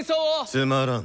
つまらん。